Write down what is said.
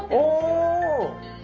お。